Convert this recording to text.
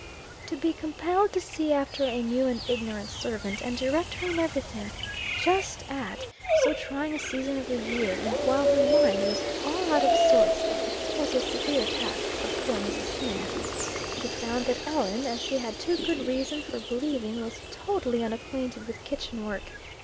To be compelled to see after a new and ignorant servant, and direct her in every thing, just at, so trying a season of the year, and while her mind was "all out of sorts," was a severe task for poor Mrs. Smith. She found that Ellen, as she had too good reason for believing, was totally unacquainted with kitchen work.